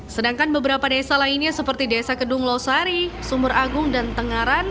sedangkan beberapa desa lainnya seperti desa kedung losari sumer agung dan tengaran